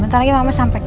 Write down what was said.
ntar lagi mama sampai kok